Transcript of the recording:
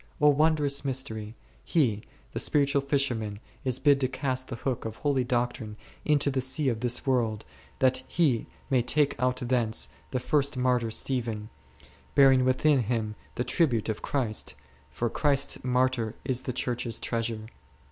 O wondrous mystery ! he, the spiritual fisherman is bid to cast the hook of holy doctrine into the sea of this world, that he may take out thence the first martyr Stephen, bearing within him the tribute of Christ ; for Christ's Martyr is the Church's Treasure.